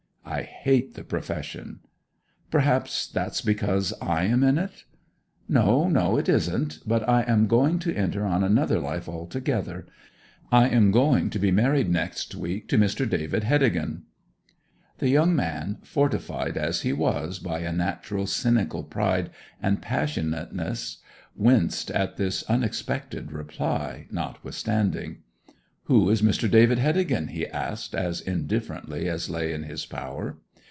'I hate the profession.' 'Perhaps that's because I am in it.' 'O no, it isn't. But I am going to enter on another life altogether. I am going to be married next week to Mr. David Heddegan.' The young man fortified as he was by a natural cynical pride and passionateness winced at this unexpected reply, notwithstanding. 'Who is Mr. David Heddegan?' he asked, as indifferently as lay in his power.